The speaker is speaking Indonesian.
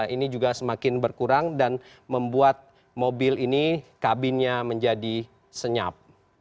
ini juga semakin berkurang dan membuat mobil ini kabinnya menjadi senyap